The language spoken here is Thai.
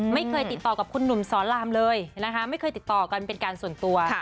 ไม่เคยติดต่อกับคุณหนุ่มสอนรามเลยนะคะไม่เคยติดต่อกันเป็นการส่วนตัว